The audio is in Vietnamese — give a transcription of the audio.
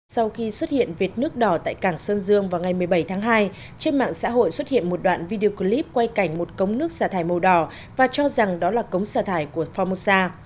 sau khi xuất hiện vệt nước đỏ tại cảng sơn dương vào ngày một mươi bảy tháng hai trên mạng xã hội xuất hiện một đoạn video clip quay cảnh một cống nước xả thải màu đỏ và cho rằng đó là cống xả thải của formosa